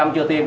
năm chưa tiêm